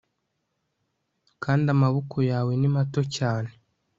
kandi amaboko yawe ni mato cyane